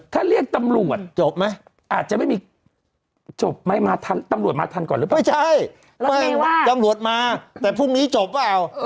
ถ้าเรียกตำรวจจบไหมอาจจะไม่มีจบไหมมาทันตำรวจมาทันก่อนหรือเปล่าไม่ใช่ว่าตำรวจมาแต่พรุ่งนี้จบเปล่า